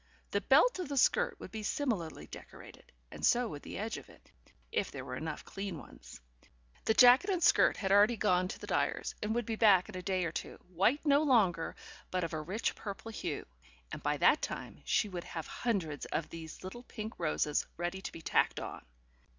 The belt of the skirt would be similarly decorated, and so would the edge of it, if there were enough clean ones. The jacket and skirt had already gone to the dyer's, and would be back in a day or two, white no longer, but of a rich purple hue, and by that time she would have hundreds of these little pink roses ready to be tacked on.